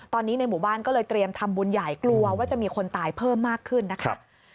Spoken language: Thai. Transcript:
ตอนนี้ในหมู่บ้านก็เลยเตรียมทำบุญใหญ่กลัวว่าจะมีคนตายเพิ่มมากขึ้นนะคะ